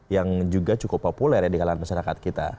yang juga cukup populer ya di kalangan masyarakat kita